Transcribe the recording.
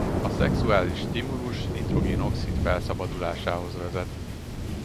A szexuális stimulus nitrogén oxid felszabadulásához vezet.